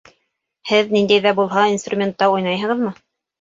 Һеҙ ниндәй ҙә булһа инструментта уйнайһығыҙмы?